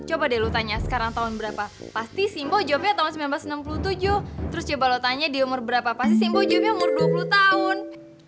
coba deh lu tanya sekarang tahun berapa pasti simbo jawabnya tahun seribu sembilan ratus enam puluh tujuh terus coba lo tanya di umur berapa pasti simbol jawabnya umur dua puluh tahun